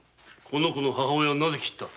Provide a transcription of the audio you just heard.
この子の母親をなぜ切った言え！